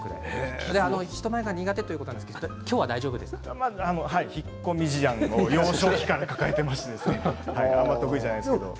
人前が苦手ということなんですが引っ込み思案を幼少期から抱えていまして得意じゃないですけれども。